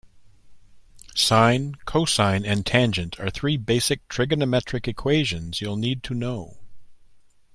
Sine, cosine and tangent are three basic trigonometric equations you'll need to know.